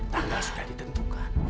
tanggal sudah ditentukan